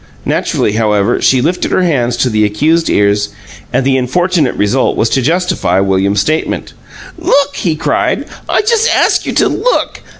Naturally, however, she lifted her hands to the accused ears, and the unfortunate result was to justify William's statement. "LOOK!" he cried. "I just ask you to look!